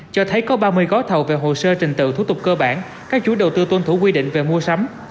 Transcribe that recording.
cho thấy có ba mươi gói thầu về hồ sơ trình tự thủ tục cơ bản các chú đầu tư tuân thủ quy định về mua sắm